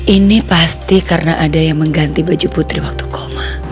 ini pasti karena ada yang mengganti baju putri waktu koma